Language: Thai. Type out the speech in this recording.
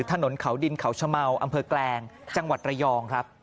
ถนนเขาดินเขาชะเมาอำเภอแกลงจังหวัดระยองครับ